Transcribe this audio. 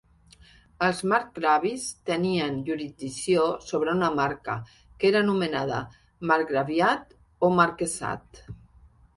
Els marcgravis tenien jurisdicció sobre una marca, que era anomenada marcgraviat o marquesat.